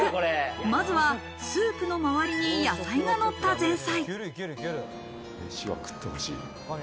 まずはスープの周りに野菜がのった前菜。